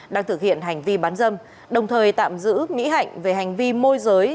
đang thực hiện hành vi bán dâm đồng thời tạm giữ mỹ hạnh về hành vi môi giới